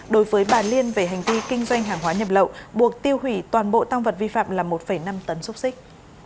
đối với bà liên về hành vi kinh doanh hàng hóa nhập lậu buộc tiêu hủy toàn bộ tăng vật vi phạm là một năm tấn xúc xích